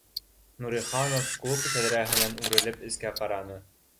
Нуриханов клуб тәҙрәһенән үрелеп эскә ҡараны